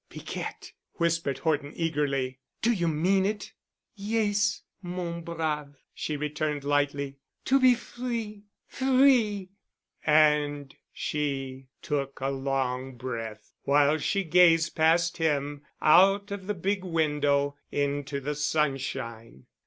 "Piquette," whispered Horton eagerly. "Do you mean it?" "Yes, mon brave," she returned lightly. "To be free—free——!" And she took a long breath, while she gazed past him out of the big window into the sunshine.